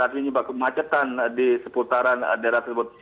artinya kemacetan di seputaran daerah tersebut